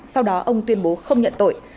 sau đó ông tuyên bố không nhận tội